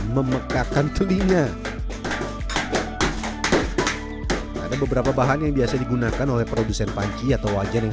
memekakan telinga ada beberapa bahan yang biasa digunakan oleh produsen panci atau wajan yang